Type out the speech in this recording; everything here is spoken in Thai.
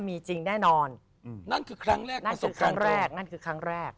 มีจริงแน่นอนอืมนั่นคือครั้งแรกนะประสบการณ์แรกนั่นคือครั้งแรก